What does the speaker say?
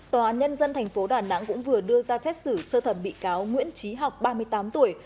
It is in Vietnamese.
tòa án nhân dân tp đà nẵng cũng vừa đưa ra xét xử sơ thẩm bị cáo nguyễn trí học ba mươi tám tuổi